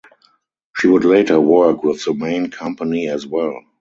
She would later work with the main company as well.